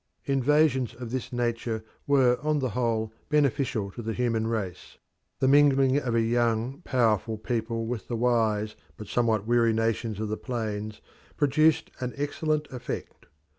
Invasions of this nature were on the whole beneficial to the human race. The mingling of a young, powerful people with the wise but somewhat weary nations of the plains produced an excellent effect.